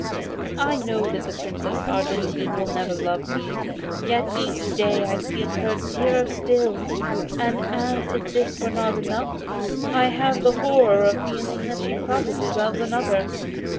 I know that the Princess Argentine will never love me, yet each day I feel her dearer still. And as if this were not enough, I have the horror of feeling that she probably loves another.